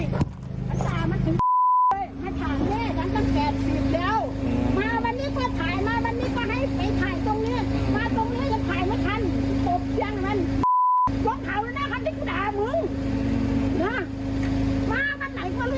ห้าตอนนี้อ้าวค้าสารพี่ของฉันเตียบหายนะ